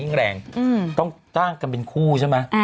อืมต้องตั้งกันเป็นคู่ใช่ไหม